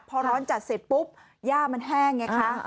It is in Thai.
พอร้อนจัดเสร็จปุ๊บย่ามันแห้งไงคะ